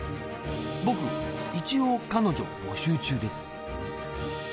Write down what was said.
僕一応彼女募集中です！